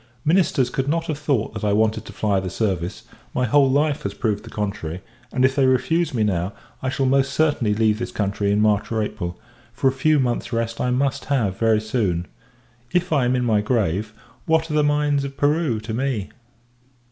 Ministers could not have thought that I wanted to fly the service, my whole life has proved the contrary; and, if they refuse me now: I shall most certainly leave this country in March or April; for a few months rest I must have, very soon. If I am in my grave, what are the mines of Peru to me!